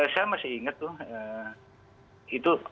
saya masih ingat